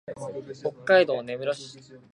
北海道根室市